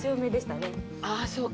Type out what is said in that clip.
ああそうか。